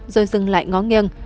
rồi dừng lại ngó nghiêng